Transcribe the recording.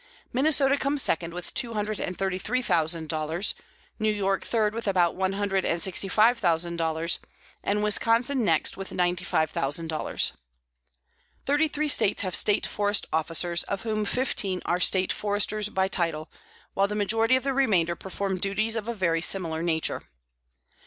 Minnesota comes second with two hundred and thirty three thousand dollars; New York third with about one hundred and sixty five thousand dollars, and Wisconsin next with ninety five thousand dollars. Thirty three States have State forest officers, of whom fifteen are State Foresters by title, while the majority of the remainder perform duties of a very similar nature.